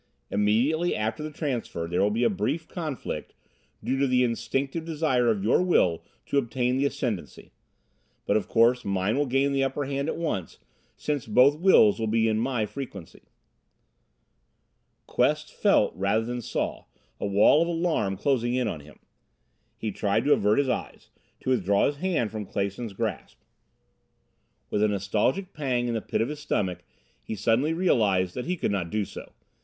Immediately after the transfer there will be a brief conflict, due to the instinctive desire of your will to obtain the ascendancy. But of course mine will gain the upper hand at once, since both wills will be in my frequency." Quest felt, rather than saw, a wall of alarm closing in on him. He tried to avert his eyes, to withdraw his hand from Clason's grasp. With a nostalgic pang in the pit of his stomach he suddenly realized that he could not do so.